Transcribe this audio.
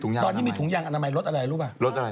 ตอนนี้มีถุงยางอนามัยรถอะไรรู้ป่ะรถอะไร